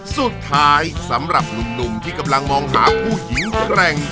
สำหรับหนุ่มที่กำลังมองหาผู้หญิงแกร่ง